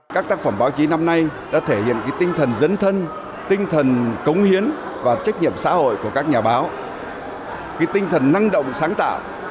các tác phẩm báo chí năm nay đã thể hiện tinh thần dấn thân tinh thần cống hiến và trách nhiệm xã hội của các nhà báo tinh thần năng động sáng tạo